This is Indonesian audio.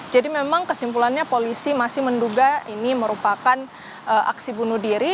jadi memang kesimpulannya polisi masih menduga ini merupakan aksi bunuh diri